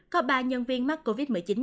có ba nhân viên mắc covid một mươi chín